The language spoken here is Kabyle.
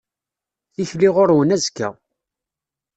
Tikli ɣur-wen azekka.